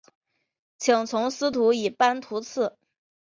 请从司徒以班徙次。